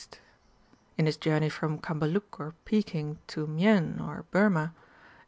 In his journey from Cambaluc or Peking to Mien or * Vol. ii.